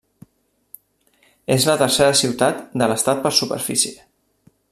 És la tercera ciutat de l'estat per superfície.